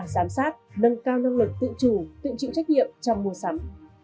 giám sát nâng cao năng lực tự chủ tự chịu trách nhiệm trong mua sắm